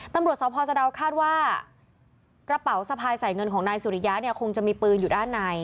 ตำรวจสพสะดาวคาดว่ากระเป๋าสะพายใส่เงินของนายสุริยะเนี่ยคงจะมีปืนอยู่ด้านใน